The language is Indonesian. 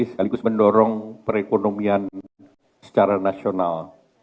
sekaligus mendorong perekonomian secara nasional